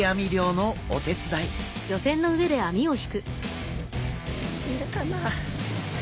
いるかなあ？